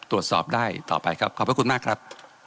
ตรวจสอบได้ต่อไปครับขอบพระคุณมากครับ